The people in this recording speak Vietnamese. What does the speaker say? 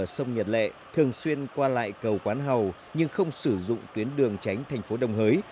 các lái xe ở sông nhật lệ thường xuyên qua lại cầu quán hầu nhưng không sử dụng tuyến đường tránh thành phố đông hới